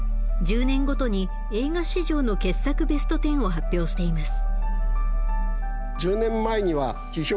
１０年ごとに映画史上の傑作ベストテンを発表しています。